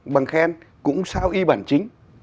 bằng khen cũng sao y bản chính